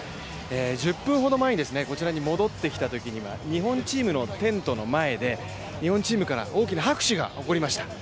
１０分ほど前にこちらに戻ってきたときには、日本チームのテントの前で日本チームから大きな拍手が起こりました。